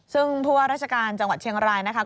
ซึ่งผู้ว่าราชการจังหวัดเชียงรายนะคะ